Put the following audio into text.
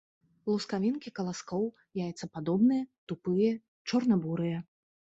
Лускавінкі каласкоў яйцападобныя, тупыя, чорна-бурыя.